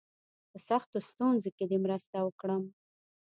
په سختو ستونزو کې دي مرسته وکړم.